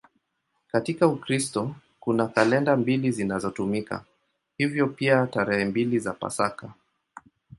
Katika Ukristo kuna kalenda mbili zinazotumika, hivyo pia tarehe mbili za Pasaka.